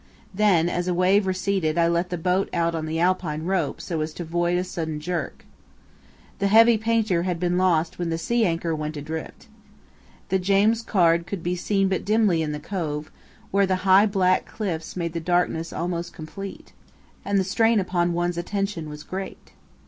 Then, as a wave receded, I let the boat out on the alpine rope so as to avoid a sudden jerk. The heavy painter had been lost when the sea anchor went adrift. The James Caird could be seen but dimly in the cove, where the high black cliffs made the darkness almost complete, and the strain upon one's attention was great.